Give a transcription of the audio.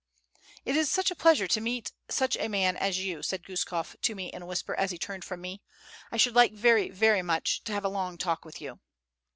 "It is such a pleasure to meet such a man as you," said Guskof to me in a whisper as he turned from me. "I should like very, very much, to have a long talk with you."